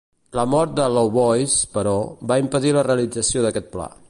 La mort de Louvois, però, va impedir la realització d'aquest pla.